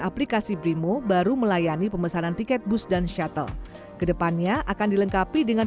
aplikasi brimo baru melayani pemesanan tiket bus dan shuttle kedepannya akan dilengkapi dengan